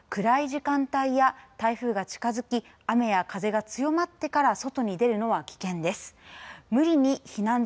暗い時間帯や台風が近づき雨や風が強まってから外に出るのは危険です。